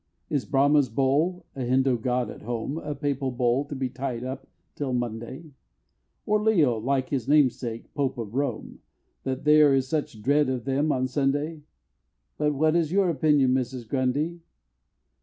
Is Brahma's Bull a Hindoo god at home A papal bull to be tied up till Monday Or Leo, like his namesake, Pope of Rome, That there is such a dread of them on Sunday But what is your opinion, Mrs. Grundy?